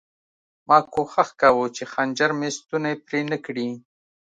ما کوښښ کاوه چې خنجر مې ستونی پرې نه کړي